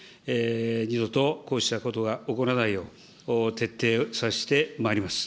二度とこうしたことが起こらないよう、徹底させてまいります。